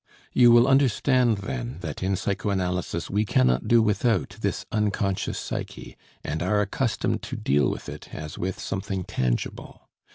You will understand then that in psychoanalysis we cannot do without this unconscious psyche, and are accustomed to deal with it as with something tangible.